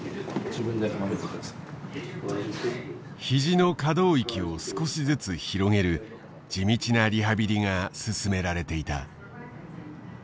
肘の可動域を少しずつ広げる地道なリハビリが進められていた。